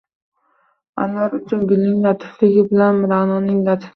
Anvar uchun gulning latifligi bilan – Ra’noning latifligi